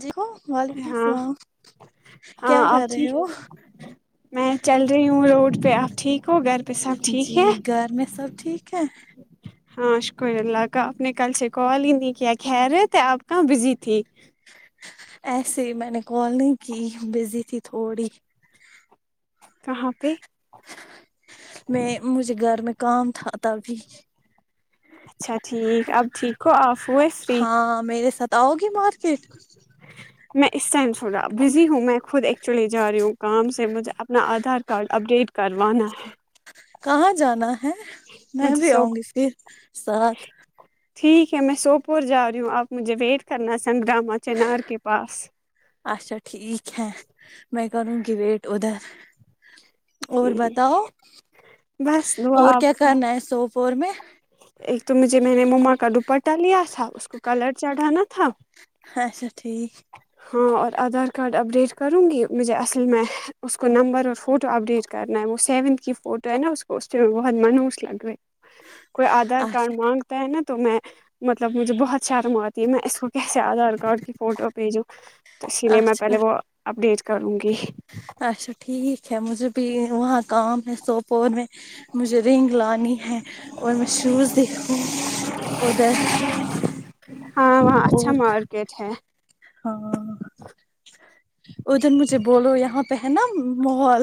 جی ہو وعلیکم ہاں اسلام کیا ہاں آپ کر رہے ٹھیک ہو میں چل رہی ہوں روڈ پہ آپ ٹھیک ہو گھر پہ سب جی گھر میں سب ٹھیک ہے ج ہاں شکر اللہ کا آپ نے کل سے کال ہی نہیں کیا خریت تھے آپ کہاں بزی تھی ایسے ہی میں نے کال نہیں کی بزی تھی تھوڑی کہاں پہ میں مجھے گھر میں کام تھا تبھی اچھا ٹھیک اب ٹھیک ہو آف ہو فری ہاں میرے ساتھ آؤ گی مارکیٹ میں اس ٹائم سنا بزی ہوں میں خود ایکچولی جا رہی ہوں کام سے سے مجھے اپنا آدھار کارڈ اپ ڈیٹ کروانا ہے کہاں جانا ہے میں مجھے بھی سو آؤں گی پھر ساتھ ٹھیک ہے میں سوپور جا رہی ہوں آپ مجھے ویٹ کرنا سندراما چنار کے پاس اچھا ٹھیک ہے میں کروں گی ویٹ ادھر اور ٹھیک بتاؤ بس دعا اور آپ کیا کی کرنا ہے سوپور میں ایک تو مجھے میں نے مما کا دوپٹہ لیا تھا اس کو کلر چڑھانا تھا اچھا ٹھیک ہاں اور آدھار کارڈ ابڈیٹ کروں گی مجھے اصل میں اس کو نمبر اور فوٹو ابڈیٹ کرنا ہے وہ سیونتھ کی فوٹو ہے نا اس کو اس میں بہت مانہوس لگ رہے ہے کوئی آدھار کارڈ اچھا مانگتا ہے نا تو میں مطلب مجھے بہت شرم آتی ہے میں اس کو کیسے آدھار کارڈ کی فوٹو بھیجو اسی لیے میں اچھا پہلے وہ اپڈیٹ کروں گی اچھا ٹھیک ہے مجھے بھی وہاں کام ہے سوپور میں مجھے رینگ لانی ہے اور میں شوز دکھوں ادھر ہاں وہاں اچھا اور مارکیٹ ہے ہاں ادھر مجھے بولو یہاں پہ ہے نا محول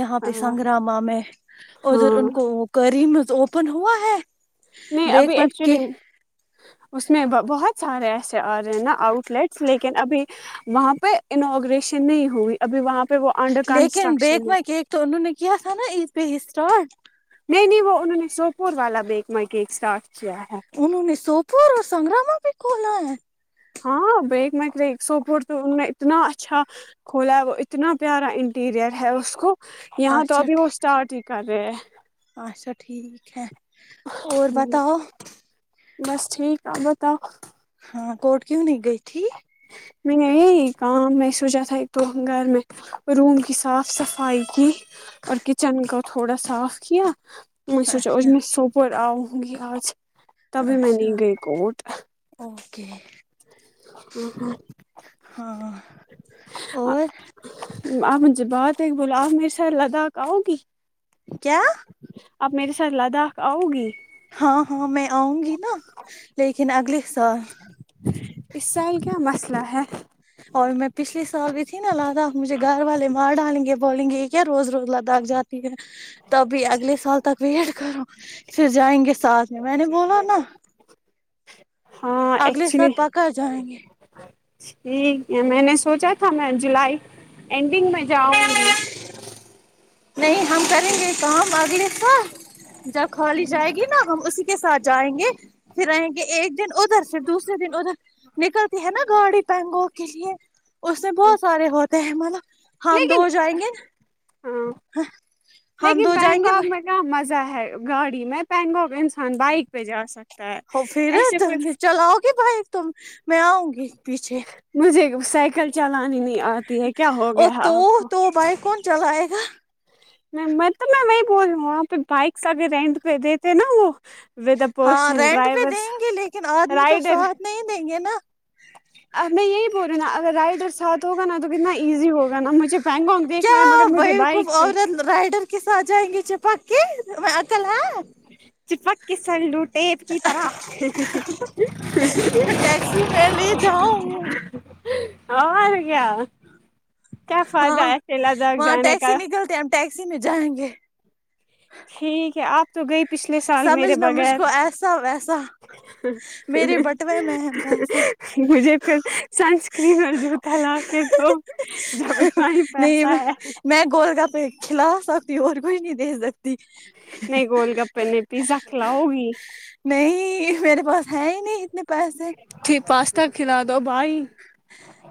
یہاں ہاں پہ سنگگراما میں ادھر ہاں ان کو وہ کریم اوپن ہوا ہے نہیں بیک ابھی مائی ایکچولی کے اس میں بہت سارے ایسے آ رہے ہیں نا آؤٹ لیٹس لیکن ابھی وہاں پہ انوگریشن نہیں ہوئی ابھی وہاں پہ وہ انڈر لیکن بیک کنسٹرکشن ہے مائی کیک تو انہوں نے کیا تھا نا عید پہ اسٹارٹ نہیں نہیں وہ انہوں نے سوپور والا بیکما کیک اسٹارٹ کیا ہے انہوں نے سوپور اور سنگگرراما بھی کھولا ہے ہاں بیگ مر سوپور تو ان اتنا اچھا کھولا ہے وہ اتنا پیارا انٹیریئر ہے اس کو یہاں تو اچھا ابھی وہ ٹھیک اسٹارٹ ہی کر رہے ہیں اچھا ٹھیک ہے اور بتاؤ بس ٹھیک آپ بتاؤ ہاں کورٹ کیوں نہیں گئی تھی میں یہ کام میں سوچا تھا ایک تو گھر میں روم کی صاف صفائی کی اور کچن کو تھوڑا صاف کیا میں سوچا اج اچھا میں سوپر آؤنگی آج تبھی نی اچھا گئی اوٹ اوکے ہاں اور آپ مجھے بات ہے بولا آپ میرے ساتھ لاداک آؤ گی کیا آپ میرے ساتھ لاداک آؤ گی ہاں ہاں میں آؤنگی نا لیکن اگلے سال اس سال کیا مسئلہ ہے اور میں پچلھے سال بھی تھی نا لادک مجھے گھر والے مار ڈالیں گے بولیں گے یہ کیا روز روز لادک جاتے ٹھیک ہے تبھی اگلے سال تک ویٹ کرو پھر جائیں گے ساتھ جی میں نے بولا نا ہاں اگلے ایکچولی ساتھ پکا جائیں گے ٹھیک ہے میں نے سوچا تھا میں جولائی اینڈنگ میں جاؤنگی نہیں ہم کریں گے کام اگلے سال جب کالی جائے گی نا ہم اسی کے ساتھ جائیں گے پھر رہیں گے ایک دن ادھر سے دوسرے دن ادھر نکلتی ہے نا گاڑی پہنگو کے لیے اس میں بہت سارے ہوتے ہیں مطلب ہم دو لیکن جائیں گے نا ہاں ہاں لیکن بینگوک میں کیا مزہ ہے گاڑی میں بینگوک انسان بائک پہ جا سکتے تو ایسے کوئی بھائی تم میں آؤنگی پیچھے مجھے سائیکل چلانی نہیں آتی ہے کیا ہو اور گیا ہے تو آپ کو تو بائک کون چلائے گا میں تو میں وہی بول رہی ہوں وہاں پہ بائکس کا بھی رینٹ پہ دیتے نا وہ وادہ ہاں پسن رینٹ پہ ڈرائیور دیں گے لیکن آدمی تو رائڈر ساتھ نہیں دیں گے نا میں یہی بول رہی ہوں نا اگر رائٹ اور ساتھ ہوگا نا تو کتنا ایزی ہوگا نا مجھے پہنگوک کیا دیکھنا ہے مگر مجھے بھائی بائک خوب پہ عورت رائڈر کے ساتھ جائیں گے چیپکے عاقل ہے [unintelligible] ٹیپ کی طرح ٹیکسی میں لے جاؤں اور کیا کیا فائدہ ہاں ہے اکیلا وہاں جانے ٹیکسی کا نکلتے ہم ٹیکسی میں جائیں گے ٹھیک ہے آپ تو گئی پچھلے سال میرے سمجھنا مجھ بغیر کو ایسا ویسا میرے بٹوے میں ہے پیسہ مجھے پھر سنسکرین میں جو دیلاکے دو جب اتنا ہی پیسہ ہے خلاف ستی اور کچھ نہیں دے سکتی نہیں گول گپے نہیں پیزا کھلاؤ گی نہیں میرے پاس ہے ہی نہیں اتنے پیسے پھر پاستا کھلا دو بھائی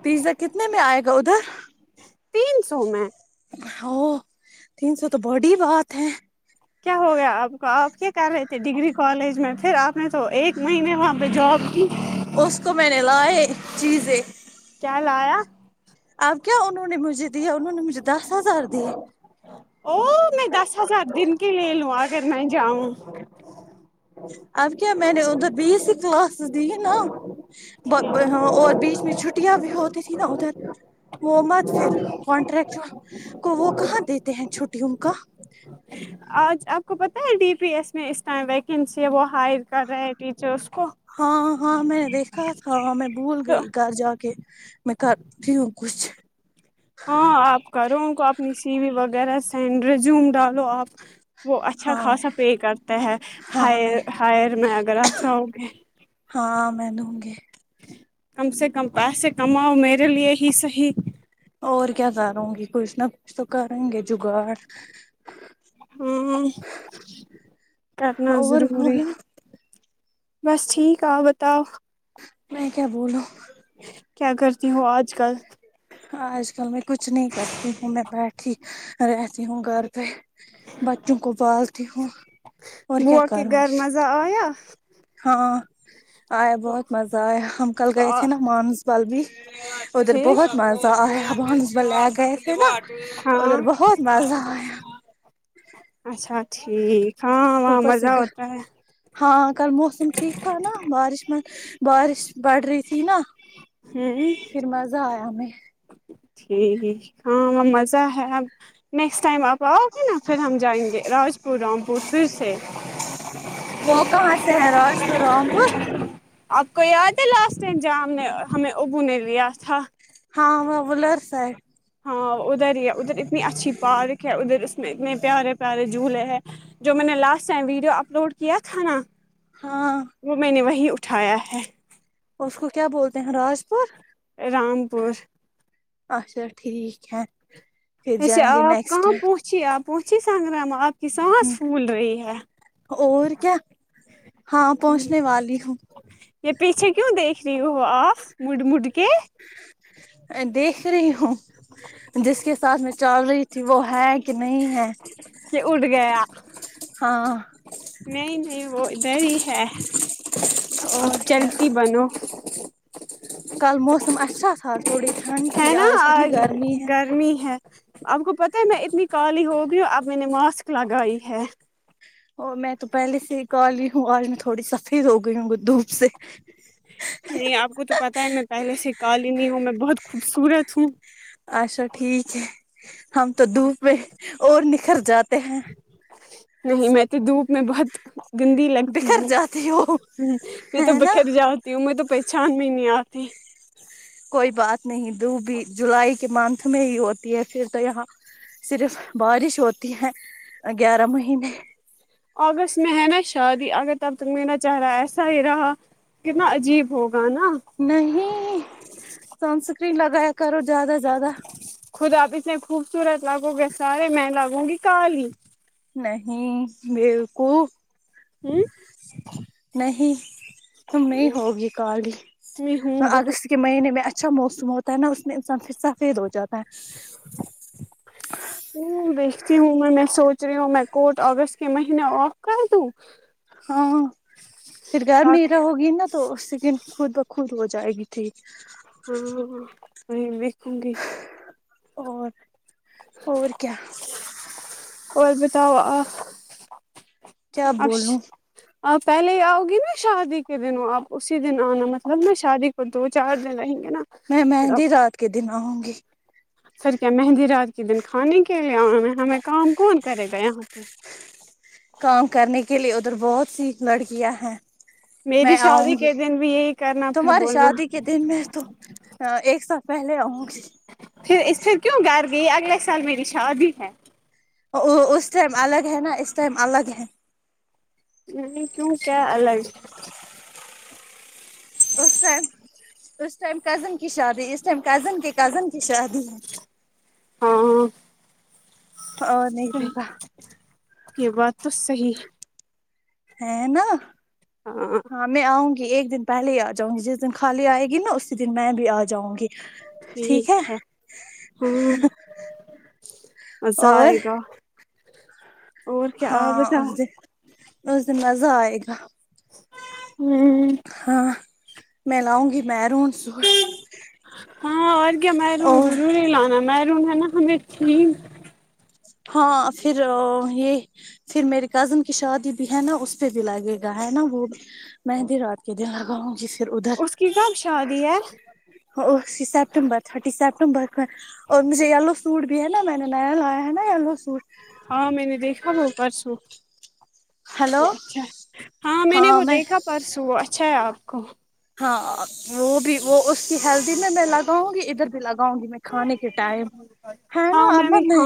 پیزا کتنے میں آئے گا ادھر تین سو میں ھو تین سو تو بڑی بات ہے کیا ہو گیا آپ کو آپ کیا کر رہے تھے ڈگری کالج میں پھر آپ نے تو ایک مہینے وہاں پہ جاب کی اس کو میں نے لائے چیزیں کیا لایا اب کیا انہوں نے مجھے دیا انہوں نے مجھے دس ہزار دیے اور میں دس ہزار دن کےلے لوں اگر میں جاؤں اب کیا میں نے ادھر بیس کلاس دی ہے نا [unintelligible] اور بیچ میں چھٹیاں بھی ہوتی تھھی نا ادھر وہ مت پھر کانٹریکٹر کو وہ کہاں دیتے ہیں چھٹیوں کا آج آپ کو پتا ہے ڈی پی ایس میں اس ٹائم ویکنسی ہے وہ ہائر کر رہے ہے ٹیچرس کو ہاں ہاں میں نے دیکھا تھا میں بھول تو گئی گھر جا کے میں کر دوں کچھ ہاں آپ کرو کو اپنی سی وی وغیرہ سینڈ ریزوم ڈالو آپ وہ اچھا ہاں خاصا پے کرتا ہے ہاں میں ہائر میں اگر آپ چاہو گے ہاں میں دوں گی کم سے کم پیسے کماؤ میرے لیے ہی صحیح اور کیا کرونگی کچھ نہ کچھ تو کرونگی گے جگاڑ ہوں کرنا اور ضروری بولو بس ٹھیک آ بتاؤ میں کیا بولوں کیا کرتی ہو آج کل آج کل میں کچھ کچھ نہیں کرتی ہوں میں بیٹھی رہتی ہوں گھر پہ بچوں کو پالتی ہوں اور کیا بوا کے گھر کرونگی مزہ آیا ہاں آیا تو بہت مزہ آیا ہم کل گئے تھے نا مامس بال بھی ادھر پھر بہت مزہ آیا [unintelligible] بان سب لے گئے تھے نا ادھر ہاں بہت بازا اچھا ٹھیک ہاں وہاں اوپر سے مزہ گھر ہوتا ہے ہاں کل موسم ٹھیک تھا نا بارش میں بارش پڑ رہی تھی نا ہوں ہ پھر مزہ آیا ہمیں ٹھیک ہاں وہ مزہ ہے اب نیکسٹ ٹائم آپ آؤ گے نا پھر ہم جائیں گے راجپور رام پور پھر سے وہ کہاں سے ہے راست رامپور آپ کو یاد ہے لاسٹ ٹائم جہاں ہم نے ہمیں ابو نے لیا تھا ہاں وہ بولرس ہے ہاں ادھر ہی ہے ادھر اتنی اچھی پارک ہے ادھر اس میں اتنے پیارے پیارے جھولے ہیں جو میں نے لاسٹ ٹائم ویڈیو اپلوڈ کیا تھا نا ہاں وہ میں نے وہی اٹھایا ہے اس کو کیا بولتے ہیں راج پور رام پور اچھا ٹھیک ہے پھر اسے جائیں گے آپ نیکسٹ کہاں ٹائم۔ پہنچی آپ پہنچی سنگگرام آپ کی سانس پھول رہی ہے اور کیا ہاں پہنچنے والی ہوں یہ پیچھے کیوں دیکھ رہی ہو آپ موڑ موڑ کے دیکھ رہی ہوں جس کے ساتھ میں چل رہی تھی وہ ہے کہ نہیں ہے کہ اٹھ گیا ہاں نہیں نہیں وہ ادھر ہی ہے اب اور کیا چلتی بنو کل موسم اچھا تھا تھوڑی ٹھنڈ تھی آج کتنی گرمی ہے می ہے آپ کو پتہ ہے میں اتنی کالی ہوگی ہوں اب میں نے ماسک لگائی ہے ا میں تو پہلے سے ہی کالی ہوں آج میں تھوڑی سفید ہو گئی ہوں دھوپ سے نہیں آپ کو تو پتا ہے میں پہلے سے کالی ہوں میں بہت خوبصورت ہوں اچھا ٹھیک ہے ہم تو دوپ پہ اور نکھر جاتے ہیں نہیں میں تو دھوپ میں بہت گندی لگتی بکھر ہوں جاتی ہو ہ یہ تو ہے نا بکھر جاؤ یوں میں تو پہچان بھی نہیں آتی کوئی بات نہیں دھوپ جولائی کے منتھ میں ہی ہوتی ہے پھر تو یہاں صرف بارش ہوتی ہے گیارہ مہینے اگست میں ہے نا شادی اگر تب تک میرا چاہ رہا ہے ایسا ہی رہا کتنا عجیب ہوگا نا نہیں سنسکرین لگایا کرو زیادہ زیادہ خود آپ اتنے خوبصورت لگوں کے سارے میں لگوں گی کالی نہیں بالکل ہوں نہیں تم نہیں ہوں ہوگی کالی میں ہوں اگ بہت کہ مہینے میں اچھا موسم ہوتا ہے نا اس میں انسان پھر سفید ہو جاتا ہے ہ دیکھتی ہوں میں میں سوچ رہی ہوں میں کوٹ اگست کے مہینے آف کر دوں ہاں پھر گھر تاکہ میرا ہوگی نا تو اس دن خود بخود ہو جائے گی ٹھیک ہاں میں ویکھوں گی اور اور کیا اور بتاؤ آ کیا ابش بولوں آ پہلے ہی آؤگی نا شادی کے دن ہو آپ اسی دن ا نامطلب نا شادی کو دو چار دن رہیں گے نا میں پھر آپ مہندی رات کے دن آوںں گی سر کیا مہندی رات کے دن کھانے کے لیے آ میں ہمیں کام کون کرے گا یہاں پہ کام کرنے کے لیے ادھر بہت سی لڑکیاں ہیں میری میں شادی آؤں گی کے دن بھی یہی کرنا پھر تمہاری بولنا شادی کے دن میں تو ایک سال پہلے آؤں گی پھر اس پھر کیوں گھر گئی اگلے سال میری شادی ہے اسس ٹائم الگ ہے نا اس ٹائم الگ ہے نہیں کیوں کیا الگ اس ٹائم اس ٹائم کزن کی شادی اس ٹائم کزن کے کزن کی شادی ہے ہاں ہ نہیں تو صحیح کیا یہ بات تو صحیح ہے ہے نا ہاں ہاں میں آؤں گی ایک دن پہلے ہی آ جاؤں گی جس دن خالی آئے گی نا اسی دن میں بھی آ جاؤں گی ٹھیک ہے ہ مزہ اور آئے گا اور کیا ہاں اس بتاؤ دن اس دن مزہ آئے گا ہوں ہاں میں لاؤں گی مہرون سوٹ ہاں اور کیا مہرون اور ضرور ہی لانا مہرون ہے نا ہمیں چھی ہاں پھر یہ پھر میری کزن کی شادی بھی ہے نا اس پہ بھی لگے گا ہے نا وہ بھی مہندی رات کے دن لگاؤں گی پھر ادھر اس کی کب شادی ہے سیپٹمبر تھرٹی سیپٹمبر اور مجھے یلو سوٹ بھی ہے نا میں نے نیا لایا ہے نا یلو سوٹ ہاں میں نے دیکھا وہ پرسوں ہلو وہ اچھا ہاں میں نے وہ دیکھا پرسوں وہ اچھا ہے آپ کو ہاں وہ بھی وہ اس کی ہیلدی میں میں لگاؤں گی ادھر بھی لگاؤں گی میں کھانے کے ٹائم ہاں نا آم میں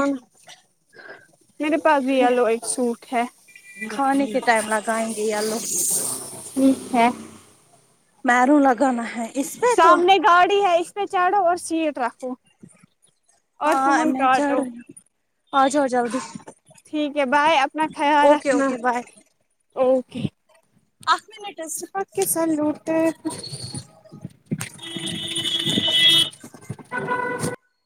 میرے پاس بھی یلو ایک سوٹ ہے کھانے کے ٹائم لگائیں گے یلو ٹھیک ہے مہروں لگانا ہے اس پہ تو سامنے گاڑی ہے اس پہ چڑھو اور سیٹ رکھو اور ہاں فون میں کاٹو چڑھ رہی ہوں آ جاؤ جلدی ٹھیک ہے بائے اپنا خیال اوکے رکھنا اوکے بائے اوکے آٹھ منٹ چپک کے سالو ٹیپ